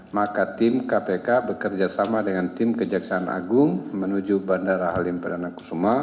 maka tim kpk bekerjasama dengan tim kejaksaan agung menuju bandara halim perdana kusuma